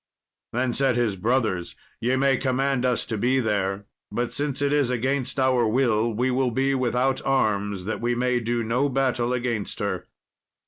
Then said his brothers, "Ye may command us to be there, but since it is against our will, we will be without arms, that we may do no battle against her."